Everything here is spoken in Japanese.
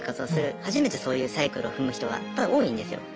初めてそういうサイクルを踏む人がやっぱ多いんですよ。